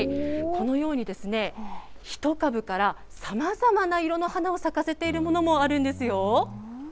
このように、１株からさまざまな色の花を咲かせているものもあるんですよ。